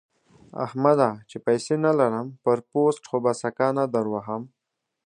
احمده! چې پيسې نه لرم؛ پر پوست خو به سکه نه دروهم.